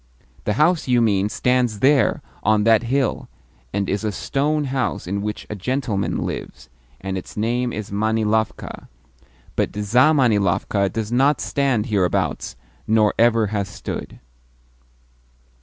The house you mean stands there, on that hill, and is a stone house in which a gentleman lives, and its name is Manilovka; but ZAmanilovka does not stand hereabouts, nor ever has stood."